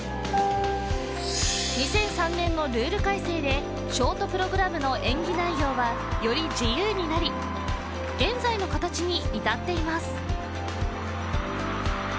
２００３年のルール改正でショートプログラムの演技内容はより自由になり現在の形に至っています